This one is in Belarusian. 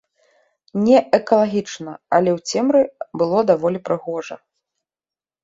Неэкалагічна, але ў цемры было даволі прыгожа.